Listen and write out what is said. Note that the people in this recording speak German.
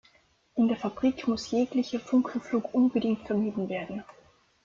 In der Fabrik muss jeglicher Funkenflug unbedingt vermieden werden.